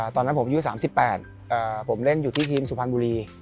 ตอนนั้นผมอายุ๓๘ผมเล่นอยู่ที่ทีมสุพรรณบุรี